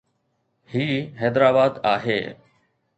هي حيدرآباد آهي